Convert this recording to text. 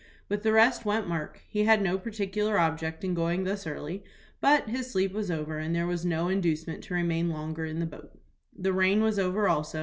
With the rest went Mark. He had no particular object in going thus early; but his sleep was over, and there was no inducement to remain longer in the boat. The rain was over also.